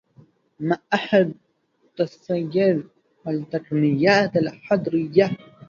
معهد تسيير التقنيات الحضرية